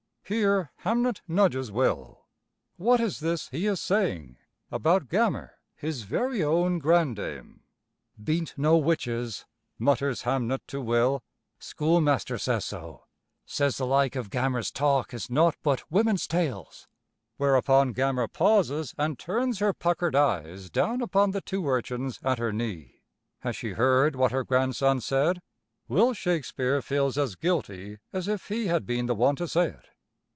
Here Hamnet nudges Will. What is this he is saying? About Gammer, his very own grandame? "Ben't no witches," mutters Hamnet to Will. "Schoolmaster says so. Says the like of Gammer's talk is naught but women's tales." Whereupon Gammer pauses and turns her puckered eyes down upon the two urchins at her knee. Has she heard what her grandson said? Will Shakespeare feels as guilty as if he had been the one to say it.